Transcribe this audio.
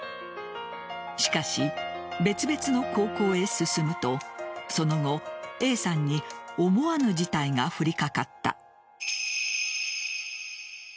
しかし、別々の高校へ進むとその後、Ａさんに思わぬ事態が降りかかった。